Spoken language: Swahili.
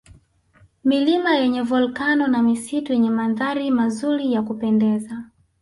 Milima yenye Volkano na misitu yenye mandhari mazuri ya kupendeza